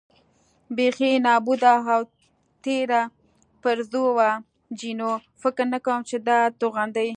بېخي نابوده او تېره پرزه وه، جینو: فکر نه کوم چې دا توغندي.